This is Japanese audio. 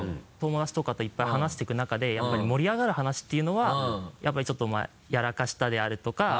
友達とかといっぱい話していく中でやっぱり盛り上がる話っていうのはやっぱりちょっとやらかしたであるとか。